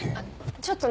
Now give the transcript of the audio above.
ちょっとね